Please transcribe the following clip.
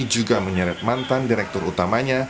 juga menyeret mantan direktur utamanya